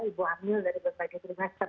ibu hamil dari berbagai trimester